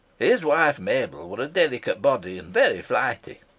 His wife Mabel war a delicat' boddie, an' varry flighty.